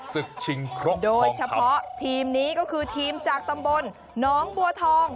ศึกชิงครบโดยเฉพาะทีมนี้ก็คือทีมจากตำบลหนองบัวทอง